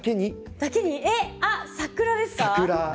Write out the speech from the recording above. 桜ですか？